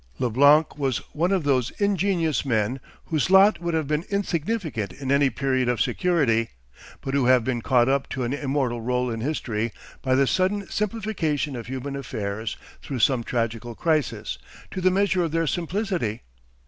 Leblanc was one of those ingenuous men whose lot would have been insignificant in any period of security, but who have been caught up to an immortal rôle in history by the sudden simplification of human affairs through some tragical crisis, to the measure of their simplicity.